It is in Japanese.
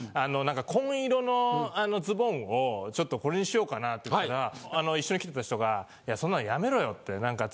ちょっとこれにしようかなって言ったら一緒に来てた人が「そんなんやめろよ」って。